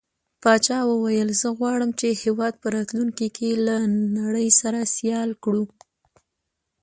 پاچا وويل: زه غواړم چې هيواد په راتلونکي کې له نړۍ سره سيال کړو.